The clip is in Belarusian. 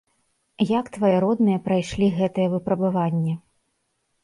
Як твае родныя прайшлі гэтае выпрабаванне?